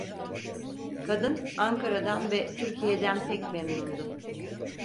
Kadın, Ankara'dan ve Türkiye'den pek memnundu.